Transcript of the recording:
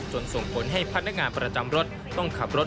ส่งผลให้พนักงานประจำรถต้องขับรถ